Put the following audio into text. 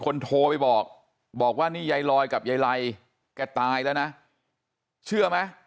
คนโทรไปบอกบอกว่านี่ยายลอยกับยายไลแกตายแล้วนะเชื่อไหม